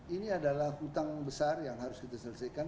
ini adalah hutang besar yang harus kita selesaikan